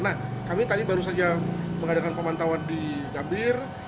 nah kami tadi baru saja mengadakan pemantauan di gambir